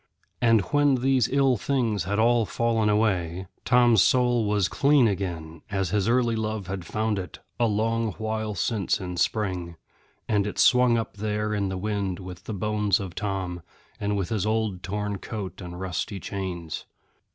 And when these ill things had all fallen away, Tom's soul was clean again, as his early love had found it, a long while since in spring; and it swung up there in the wind with the bones of Tom, and with his old torn coat and rusty chains.